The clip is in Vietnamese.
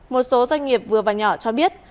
một số doanh nghiệp vừa và nhỏ cho biết